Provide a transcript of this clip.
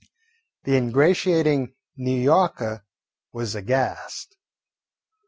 The ingratiating "N' Yawker" was aghast.